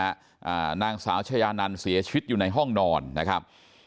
อ่านางสาวชายานันเสียชีวิตอยู่ในห้องนอนนะครับ